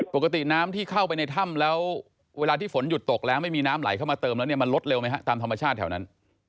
ปกติน้ำที่เข้าไปในถ้ำแล้วเวลาที่ฝนหยุดตกแล้วไม่มีน้ำไหลเข้ามาเติมแล้วเนี่ยมันลดเร็วไหมฮะตามธรรมชาติแถวนั้น